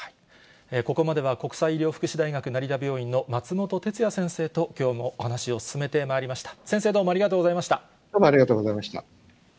ここまでは国際医療福祉大学成田病院の松本哲哉先生ときょうもお話を進めてまいりました。